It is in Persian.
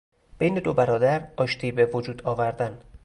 بین دو برادر آشتی به وجود آوردن